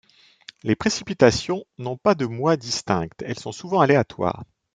Les précipitations n'ont pas de mois distinct, elles sont souvent aléatoires.